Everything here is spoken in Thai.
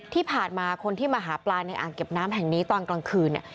ที่ผ่านมาคนที่มาหาปลาในอ่างเก็บน้ำแห่งนี้ตอนกลางคืนเนี่ย